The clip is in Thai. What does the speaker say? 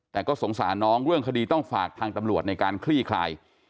แต่ก็สงสารน้องเรื่องคดีต้องฝากทางตำรวจในการคลี่คลาย